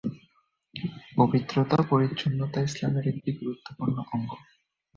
পবিত্রতা-পরিচ্ছন্নতা ইসলামের একটি গুরুত্বপূর্ণ অঙ্গ।